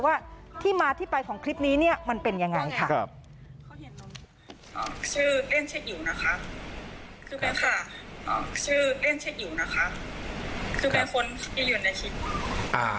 ว่าที่มาที่ไปของคลิปนี้เนี่ยมันเป็นยังไงค่ะ